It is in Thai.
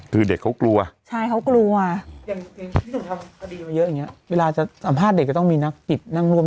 คือเด็กเขากลัวอ่ะใช่เขากลัวอ่ะ